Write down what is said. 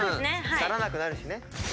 去らなくなるしね。